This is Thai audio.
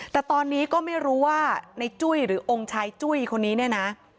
แต่ตอนนี้ก็ไม่รู้ว่าในจุ้ยหรือองค์ชายจุ้ยคนนี้เนี่ยนะ